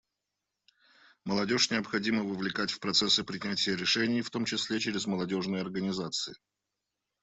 Молодежь необходимо вовлекать в процессы принятия решений, в том числе через молодежные организации.